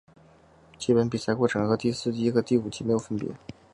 基本上比赛过程和第四季及第五季没有分别。